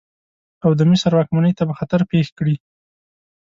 او د مصر واکمنۍ ته به خطر پېښ کړي.